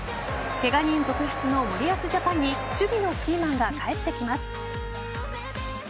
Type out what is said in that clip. ケガ人続出の森保ジャパンに守備のキーマンが帰ってきます。